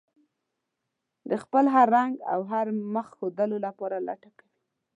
د خپل هر رنګ او هر مخ ښودلو لپاره لټه کوي.